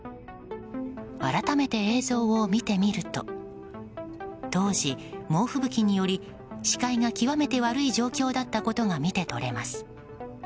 改めて映像を見てみると当時、猛吹雪により視界が極めて悪い状況だったことが見て取れます。